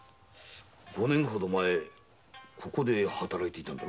五年ほど前ここで働いていたんだろ？